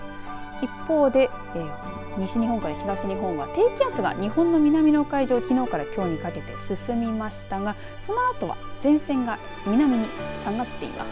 一方で西日本から東日本は低気圧が日本の南の海上きのうから、きょうにかけて進みましたがそのあとは前線が南に下がっています。